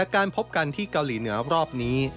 การพบกันที่เกาหลีเหนือรอบนี้